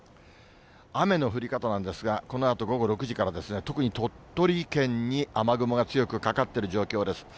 雨の降り方なんですが、このあと午後６時からですね、特に鳥取県に雨雲が強くかかっている状況です。